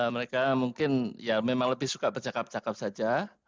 mereka mungkin ya memang lebih suka bercakap cakap saja